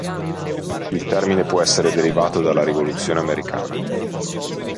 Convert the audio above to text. Il termine può essere derivato dalla Rivoluzione Americana.